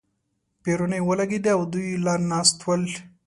پېرونی ولګېدې او دوی لا ناست ول.